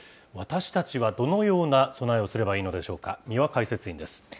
私たちはどのような備えをすればいいのでしょうか。